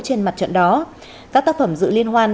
trên mặt trận đó các tác phẩm dự liên hoan